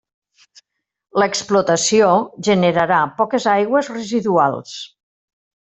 L'explotació generarà poques aigües residuals.